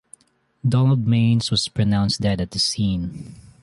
Donald Manes was pronounced dead at the scene.